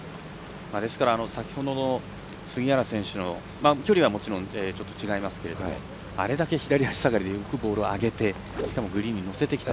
先ほどの杉原選手の距離はもちろんちょっと違いますけどあれだけ左足下がりでよくボールを上げてしかもグリーンに乗せてきた。